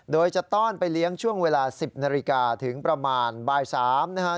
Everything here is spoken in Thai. โดยจะต้อนไปเลี้ยงช่วงเวลา๑๐นาฬิกาถึงประมาณบ่าย๓นะฮะ